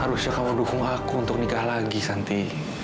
harusnya kamu dukung aku untuk nikah lagi santi